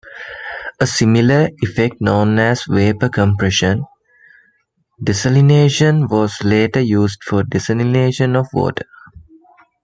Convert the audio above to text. A similar effect known as Vapor-compression desalination was later used for desalination of water.